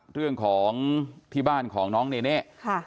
เรื่องของที่บ้านของน้องเนเน่